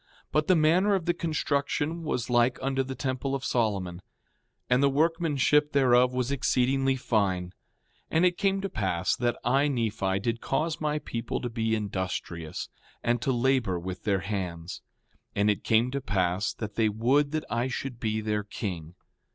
But the manner of the construction was like unto the temple of Solomon; and the workmanship thereof was exceedingly fine. 5:17 And it came to pass that I, Nephi, did cause my people to be industrious, and to labor with their hands. 5:18 And it came to pass that they would that I should be their king.